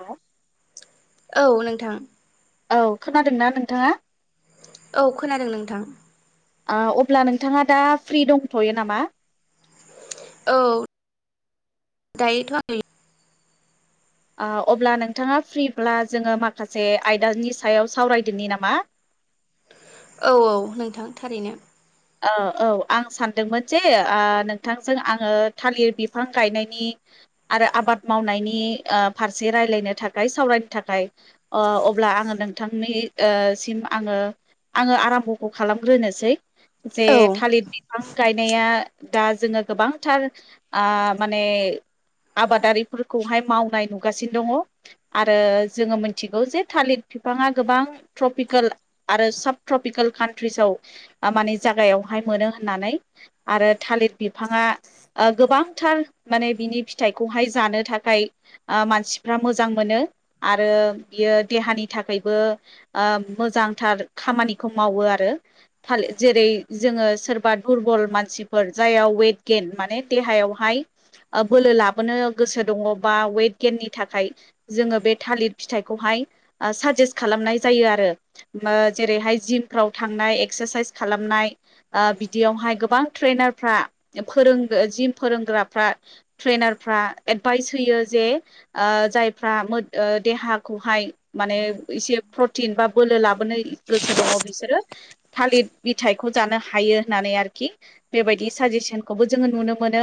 हा? औ नोंथां। औ खोनादोंना नोंथाङा? औ खोनादों नोंथां। अब्ला नोंथाङा दा फ्रि दंथ'यो नामा? औ दायो अब्ला नोंथाङा फ्रिब्ला जोङो माखासे आयदानि सायाव सावरायदोनि नामा? [inaudible] औ औ नोंथां थारैनो। औ औ आं सानदोंमोन जे नोंथांजों आङो थालिर बिफां गायनायनि आरो आबाद मावनायनि फारसे रायलायनो थाखाय सावरायनो थाखाय अब्ला आङो नोंथांनि सिम आङो आङो आराम्भ'खौ खालामग्रोनोसै। जे औ थालिर बिफां गायनाया दा जोङो गोबांथार माने आबादारिफोरखौहाय मावनाय नुगासिनो दङ आरो जोङो मिथिगौ जे थालिर बिफाङा गोबां ट्रपिकेल आरो साब ट्रपिकेल कान्ट्रिसाव माने जायायावहाय मोनो होननानै आरो थालिर बिफाङा गोबांथार माने बिनि फिथाइखौहाय जानो थाखाय मानसिफ्रा मोजां मोन आरो बियो दे देहानि थाखायबो ओ मोजांथार खामानिखौ मावो आरो था जेरै जोङो सोरबा दुरबल मानसिफोर जाययाव वेट गेेन माने देहायावहाय बोलो लाबोनो गोसो दङबा वेट गेेननि थाखाय जोङो बे थालिर फिथाइखौहाय साजेस खालामनाय जायो आरो जेरैहाय जिमफ्राव थांनाय एक्सारसाइस खालामनाय बिदियावहाय गोबां ट्रेनारफ्रा फोरों जिम फोरोंग्राफ्रा ट्रेनारफ्रा एडभाइस होयो जे ओ जायफ्रा ओ देहाखौहाय मसे प्रटिन बा बोलो लाबोनो गोसो दङ बिसोरो थालिर बिथाइखौ जानो हायो होननानै आरोखि बेबायदि साजेसनखौबो जोङो नुनो मोनो।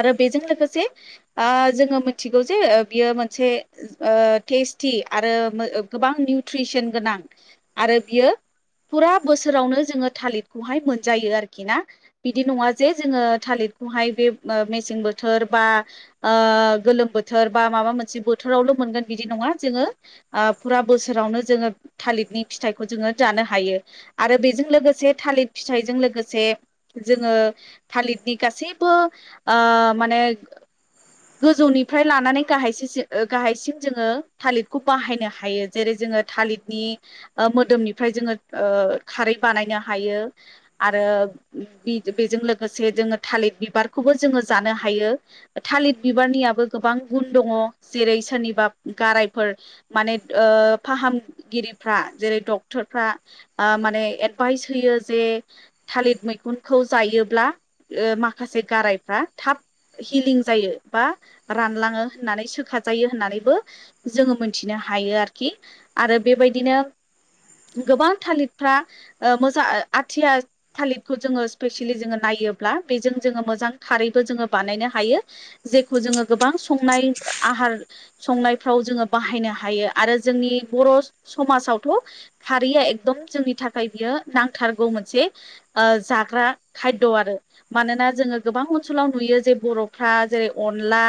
आरो बेजों लोगोसे ओ जोङो मिथिगौ जे बियो मोनसे ओ टेस्थि आरो गोबां निउट्रिसन गोनां आरो बियो फुरा बो बो सोरावनो जोङो थालिरखौहाय मोनजायो आरोखि ना बिदि नङा जे जोङो थालिरखौहा बे मेसें बोथोर बा ओ गोलोम बोथोर बा माबा मोनसे बोथोरावल' मोनगोन बिदि नङा जोङो फुरा बोसोरावनो जोङो थालिरिरनि फिथाइखौ जोङो जानो हायो। आरो बेजों लोगोसे थालिर फिथाइजों लोगोसे जोङो थालिरनि गासैबो ओ माने गोजौनिफ्राय लानानै गाहाय गाहायसिम जोङो थालिरखौ बाहायनो हायो जेरै जों ङो थालिरनि मोदोमनिफ्राय जोङो ओ खारै बानायनो हायो आरो बेजो बेजों लोगोसे जोङो थालिर बिबारखौ बो जोङो जानो हायो थालिर बिबारनियाबो गोबां गुन दङ जेरै सोरनिबा [unintelligible] गारायफोर माने ओ फाहामगिरिफ्रा जेरै डक्टरफ्रा आ मान ने एडभाइस होयो जे थालिर मैगुनखौ जायोब्ला ओ माखासे गारायफ्रा थाब हिलिं जायो बा रानलाङो होननानै सोखाजायो होननानैबो जोङो मोनथिनो हा हायो आरोखि आरो बेबायदिनो गोबां थालिर फ्रा ओ मोजां आथिया थालिरखौ जोङो स्पेसिलि जोङो नायोब्ला बेजों जोङो जा खारैबो जोङो बानायनो हायो जेखौ जोङो गोबां संनाय आहार संनाय फ्राव जोङो बाहायनो हायो आरो जोंनि बर' समाजावथ' खारैया एखदम जोंनि थाखाय बियो नांथारगौ मोनसे ओ जाग्रा खायद' आरो मानोना जों जों गोबां ओनसोलाव नुयो जे बर'फ्रा जेरै अनला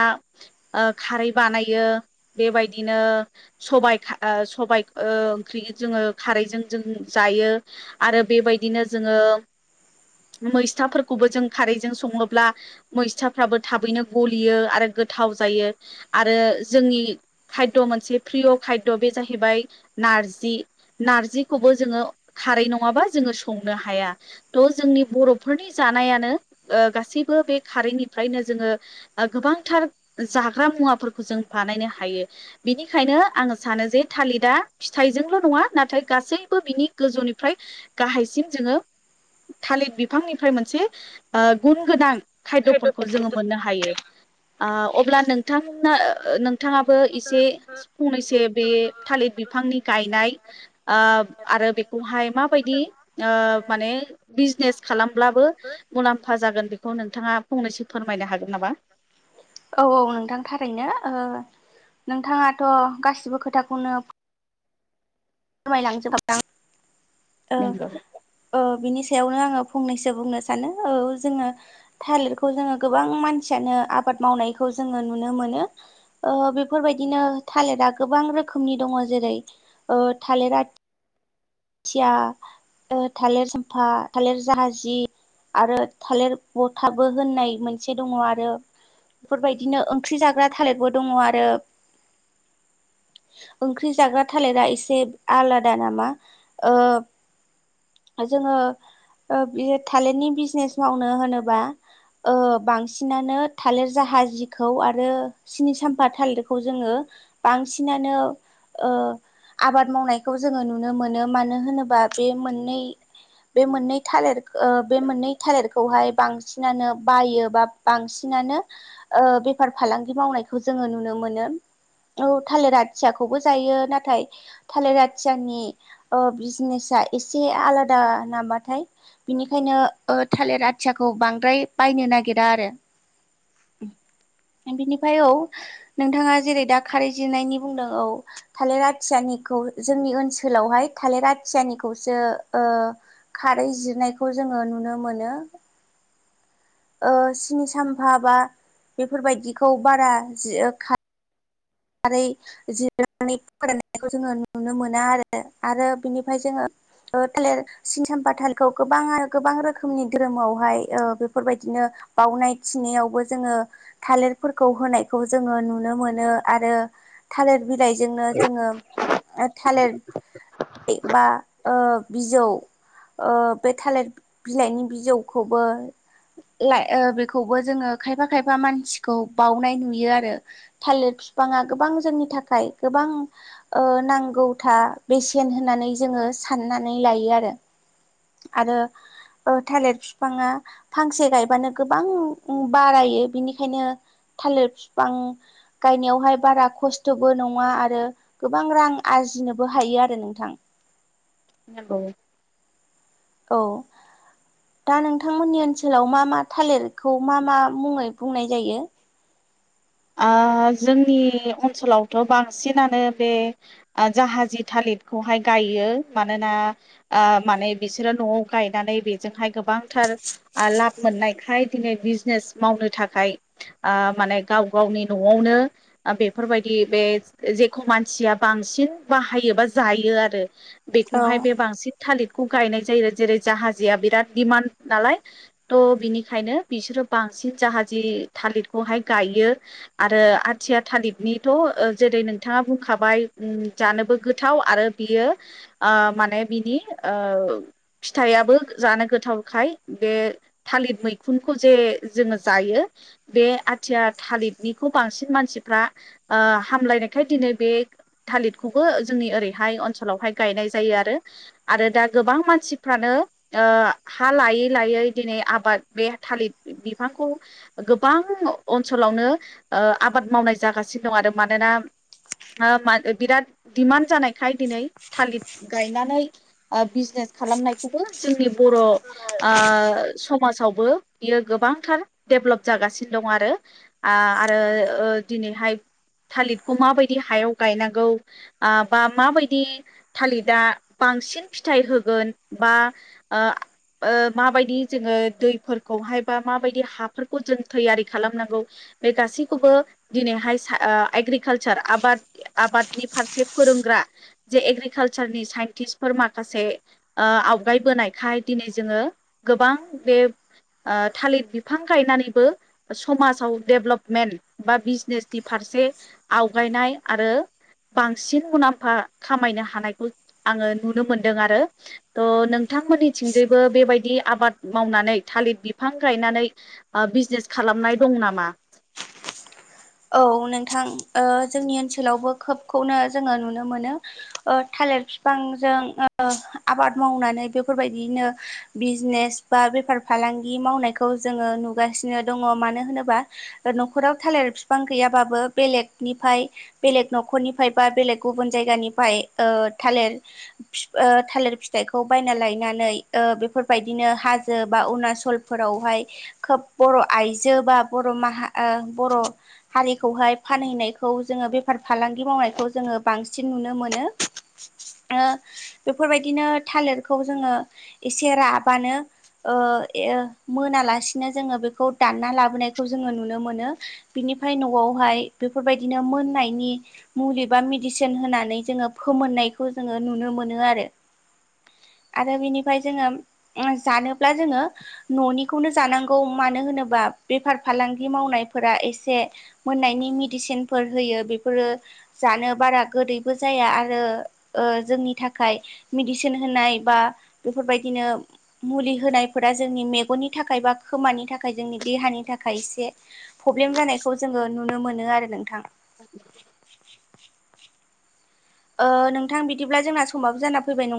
ओ खारै बानायो बेबायदिनो सबाय खा सबाय ओ ओंख्रि जोङो खारैजों जों जायो आरो बेबायदिनो जोङो मैस्थाफोरखौबो जों खारैजों सङोब्ला मैस्थाफ्राबो थाबैनो गलियो आरो गोथाव जायो आरो जोंनि खायद मोनसे प्रिय' खायद' बे जाहैबाय नारजि नारजिखौबो जोङो खारै नङाबा जोङो संनो हाया थ जोंनि बर'फोरनि जानायानो ओ गासैबो बे खारैनिफ्रायनो जोङो गोबांथार जाग्रा मुवाफोरखौ जों बानाय हायो बिनिखायनो आं सानो जे थालिरा फिथाइजोंल' नङा नाथाय गासै बो बिनि गोजौनिफ्राय गाहायसिम जोङो थालिर बिफांनिफ्राय मोनसे ओ गुन गोनां खायद'फोरखौ जोङो मोननो हायो आ अब्ला नों थां ओ नोंथाङाबो एसे फंनैसो बे थालिर बिफांनि गायनाय आ आरो बेखौहाय माबायदि आ माने बिजनेस खालामब्लाबो मुलाम्फा ज जागोन बेखौ नोंथाङा फंनैसो फोरमायनो हागोन नामा? औ औ नोंथां थारैनो नोंथाङाथ' गासिबो खोथाखौनो फोरमायलांजोब [unintelligible] नंगौ ओ बिनि सायावनो आङो फंनैसो बुंनो सानो औ जोङो थालिरखौ जोङो गोबां मानसिया जोङो आबाद मावनायखौ जोङो नुनो मोनो ओ बेफोरबायदिनो थालिरा गोबां रोखोम रोखोमनि दङ जेरै ओ थालिर आथि थिया ओ थालिर सामफा थालिर जाहाजि आरो थालिर बथाबो होननाय मोनसे दङ आरो। बेफोरबायदिनो ओंख्रि जाग्रा थालिरबो दङ आरो। ओंख्रि जाग्रा थालिरा एसे आलादा नामा। ओ। जोङो बे ओ थालिरनि बिजनेस मावनो होनोबा। ओ बांसिनानो थालिर जाहाजिखौ आरो सिनि साम्फा थालिरखौ जोङो। बांसिनानो ओ आबाद मावनायखौ जोङो नुनो मोनो। नो मानो होनोबा बे मोननै। बे मोननै थालिर ओ बे मोननै थालिरखौहाय बांसिनानो बायो बा बांसिन। नानो ओ बेफार फालांगि मावनायखौ जोङो नुनो मोनो औ थालिर आथियाखौबो जायो नाथाय थालिर आथियानि ओ बिजनेसा एसे आलादा नामाथाय बिनिखायनो ओ थालिर आथियाखौ बांद्राय बायनो नागिरा आरो। बिनिफ्राय औ नोंथाङा जेरै दा खारै जिनायनि बुंदों औ थालिर आथियानि खौ जोंनि ओनसोलावहाय थालिर आथियानिखौसो ओ। खारै जिरनायखौ जोङो नुनो मोनो। ओ सिनि साम्फा बा बेफोरबायदिखौ बारा जि खा रै जिरायनानै फोराननायखौ जोङो नुनो मोना आरो आरो बिनिफ्राय जोङो थालिर सिनिसामपा थालिरखौ गोबां गोबां रोखोमनि धोरोमावहाय बेफोरबायदिनो बाउनाय थिनायावबो जोङो थालिरफोरखौ होनायखौ जोङो नुनो मोनो आरो थालिर बिलाइजोंनो जोङो थालिर बा ओ बिजौ। बे थालिर बिलाइनि बिजौखौबो ला बेखौबो जोङो खायफा खायफा मानसिखौ बाउनाय नुयो आरो थालिर बिफाङा गोबां जोंनि थाखाय गोबां नांगौथा बेसेन होननानै जोङो साननानै लायो आरो आरो। थालिर बिफाङा फांसे गायबानो गोबां बारायो बिनिखायनो थालिर बिफां गायनायाव बेहाय बारा खस्थ'बो नङा आरो गोबां रां आरजिनोबो हायो आरो नोंथां। औ। औ। दा नोंथांमोननि ओनसोलाव मा मा थालिरखौ मा मा मुङै बुंनाय जायो। जोंनि ओनसोलावथ' बांसिनानो बे जाहाजि थालिर बेखौहाय गायो मानोना माने बिसोरो न'आव गायनानै बेजोंहाय गोबां थार लाब मोननायखाय दिनै बिजनेस मावनो थाखाय माने गाव गावनि न'आवनो बेफोरबायदि बे जेखौ मानसिया बांसिन बाहायो जायो आरो औ बेखौहाय बे बांसिन थालिरखौ गायनाय जायो जेरै जाहाजिआ बिराद दिडिमान्ड नालाय त' बिनिखायनो बिसोरो बांसिन जाहाज थालिरखौहाय गायो आरो आथिया थालिरनिथ' जेरै नोंथाङा बुंखाबाय जानो गोथाव आरो बियो माने बिनि फिथाइयाबो जानो। गोथावखाय बे थालिर मैखुनखौ जे जोङो जायो बे आ थिया थालिरनिखौ बांसिन मानसिफ्रा हामलायनायखाय दिनै बे थालिरिरखौबो जोंनि ओरैहाय ओनसोलावहाय गायनाय जायो आरो आरो दा गोबां मानसिफ्रानो हा लायै लायै दिनै आबाद बे थालिर बिफांखौ गोबां। ओनसोलावनो आबाद मावनाय जागासिनो दं आरो मानोना ओ मा बिराद दिडमान्ड जानायखाय दिनै थालिर गायनानै बिजनेस खालामनायखौबो जोंनि बर' ओ समाजावबो बियो गोबांथार डेभलप जागासिनो दं आरो आं आरो ओ दिनैहाय थालिरखौ माबायदि हायाव गायनांगौ ओ बा माबायदि थालिरा बांसिन फिथाइ होगोन बा ओ ओ माबायदि जोङो दैफोरखौहाय बा माबायदि हाफोरखौ जों थैयारि खालामनां गौ बे गासैखौबो दिनैहाय सा ओ एग्रिकालसार आबाद आबादनि फारसे फोरोंग्रा जे एग्रिकालसारनि साइन्टिस्टफोर माखासे ओ आवगायबोनायखाय दिनै जोंङो गोबां बे ओ थालिर बिफां गनानै बो समाजाव डेभेलपमेन्ट बा बिजनेसनि फारसे आवगायनाय आरो बांसिन मुलाम्फा खामायनो हानायखौ आङो नुनो मोनदों आरो त' नों थांमोननिथिंजायबो बेबायदि आबाद मावनानै थालिर बिफां गायनानै बिजनेस खालामनाय दं नामा औ नोंथां जोंनि ओनसोलावबो खोबखौनो जोङो नुनो मोनो ओ थालिर बिफांजों ओ आबाद मावनानै बेफोरबायदिनो बिजनेस बा बे बेफार फालांगि मावनायखौ जोङो नुगासिनो दङ मानो होनोबा न'खराव थालिर बिफां गैयाबाबो बेलेगनिफ्राय बेलेग न'खरनिफ्राय बा बेलेग गुबुन जायगानिफ्राय ओ थालिर फि ओ थालिर फिथाइखौ बायना लायनानै ओ बेफोरबायदिनो हाजो बा अरुणाचलफोरावहाय खोब बर' आइजो बा बर' माह ओ बर' हारिखौहाय फानहैनायखौ जोङो बेफार फालांगि मावनायखौ जोङो बांसिन नुनो मोनो। बेफोरबायदिनो थालिरखौ जोङो एसे राबानो। ओ मोनालासिनो जोङो बेखौ दानना लाबोनायखौ जोङो नुनो मोनो बिनिफ्राय। [unintelligible] य न'आवहाय बेफोरबायदिनो मोननायनि मुलि बा मेदिसिन होनानै जोङो फोननाय। नाय जोङो नुनो मोनो आरो [inaudible] आरो बिनिफ्राय जोङो जानोब्ला जोङो न'निखौनो जानांगौ मानो होनोब्ला। बेफार फालांगि मावनायफोरा एसे। मोननायनि मेडिसिनफोर होयो बेफोरो जानो बारा गोदैबो जाया आरो। ओ जोंनि थाखाय मेडिसिन होनाय बा बेफोरबायदिनो मुलि होनाय। फोर जोंनि मेगननि थाखाय बा खोमानि थाखाय जोंनि देहानि थाखाय एसे प्रब्लेम जानायखौ। जोङो नुनो मोनो आरो नोंथां। [inaudible] [inaudible] ओ नोंथां बिदिब्ला जोंना समाबो जाना फैबाय नङा।